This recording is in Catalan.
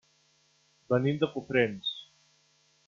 Venim de Cofrents.